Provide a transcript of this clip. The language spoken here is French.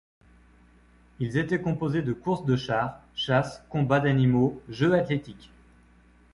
Ils étaient composés de course de chars, chasse, combats d'animaux, jeux athlétiques.